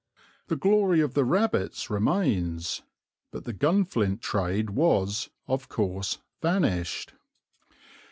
The glory of the rabbits remains, but the gunflint trade was, of course, vanished.